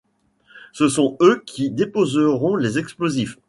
Ce sont eux qui déposeront les explosifs.